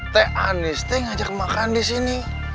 teh anis teh ngajak makan di sini